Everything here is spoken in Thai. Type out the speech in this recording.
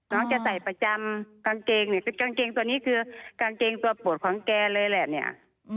จะใส่ประจำกางเกงเนี่ยกางเกงตัวนี้คือกางเกงตัวปวดของแกเลยแหละเนี่ย